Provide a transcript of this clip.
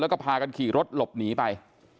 แล้วก็พากันขี่รถหลบหนีไป